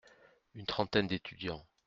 Une trentaine d’étudiants.